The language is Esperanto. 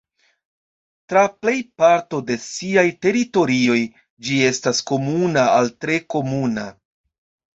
Tra plej parto de siaj teritorioj, ĝi estas komuna al tre komuna.